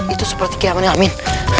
itu seperti keamanan min